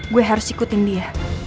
gue harus ikutin dia